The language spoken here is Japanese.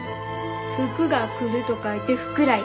福が来ると書いて福来。